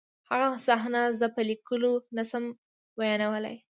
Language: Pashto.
هغه صحنه زه په لیکلو نشم بیانولی